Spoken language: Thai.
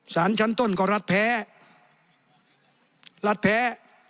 สารชั้นต้นก็รัฐแพ้รัฐแพ้